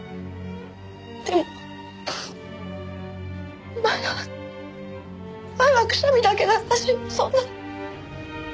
でも前は前はくしゃみだけだったしそんな。